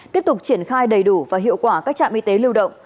tiếp tục triển khai đầy đủ và hiệu quả các trạm y tế lưu động